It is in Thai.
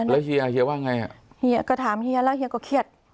แล้วเฮียเฮียว่าไงอ่ะเฮียก็ถามเฮียแล้วเฮียก็เครียด